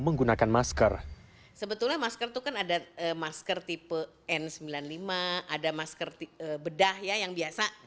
menggunakan masker sebetulnya masker itu kan ada masker tipe n sembilan puluh lima ada masker bedah ya yang biasa